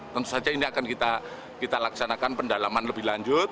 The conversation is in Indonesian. tentu saja ini akan kita laksanakan pendalaman lebih lanjut